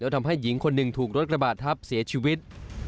ทำให้หญิงคนหนึ่งถูกรถกระบาดทับเสียชีวิต